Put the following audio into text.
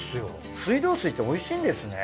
水道水っておいしいんですね。